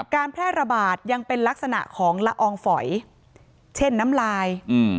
การแพร่ระบาดยังเป็นลักษณะของละอองฝอยเช่นน้ำลาย